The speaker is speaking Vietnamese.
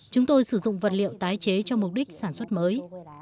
chúng tôi sử dụng vật liệu tái chế cho mục đích sản xuất mới